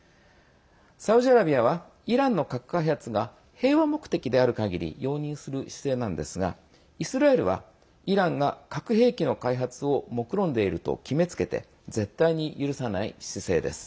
サウジアラビアはイランの核開発が平和目的である限り容認する姿勢ですがイスラエルはイランの核開発をもくろんでいると決めつけて絶対に許さない姿勢です。